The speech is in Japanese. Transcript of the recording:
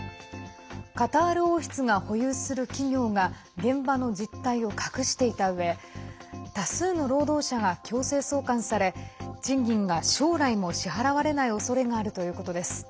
カタール王室が保有する企業が現場の実態を隠していたうえ多数の労働者が強制送還され賃金が将来も支払われないおそれがあるということです。